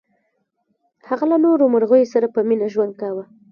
هغه له نورو مرغیو سره په مینه ژوند کاوه.